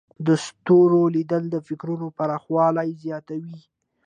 د ستورو لیدل د فکرونو پراخوالی زیاتوي.